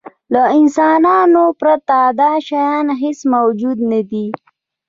له انسانانو پرته دا شیان هېڅ موجود نهدي.